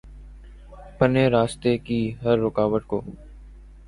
پنے راستے کی ہر رکاوٹ کو